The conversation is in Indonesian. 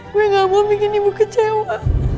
gue gak mau bikin ibu kecewa